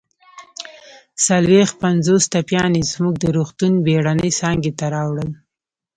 څلويښت پنځوس ټپیان يې زموږ د روغتون بېړنۍ څانګې ته راوړل